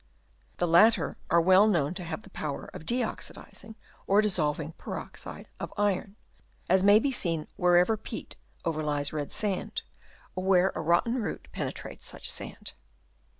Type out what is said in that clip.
The latter are well known to have the power of de oxidising or dissolving per oxide of iron, as may be seen wherever peat overlies red sand, or where a rotten root penetrates such sand.